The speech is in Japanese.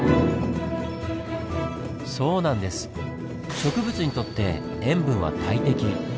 植物にとって塩分は大敵。